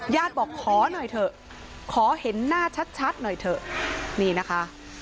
ญาติบอกขอหน่อยเถอะขอเห็นหน้าชัดหน่อยเถอะ